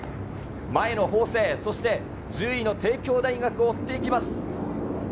前の法政、１０位の帝京大学を追っていきます。